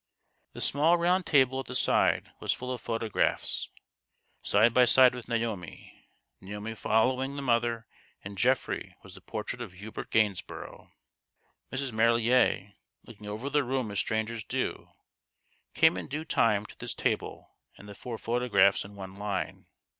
The small round table at the side Was full of photographs. Side by side with Naomi Naomi following the mother and Geoffrey was the portrait of Hubert Gainsborough. Mrs. Marillier looking over the room as strangers do, came in due time to this table and the four photographs in one line.